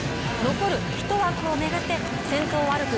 残る１枠を巡って先頭を歩く